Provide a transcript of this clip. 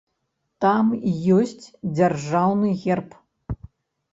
Там ёсць дзяржаўны герб.